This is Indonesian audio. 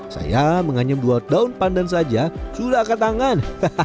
saya menganyam dua daun pandan saja sudah akan tangan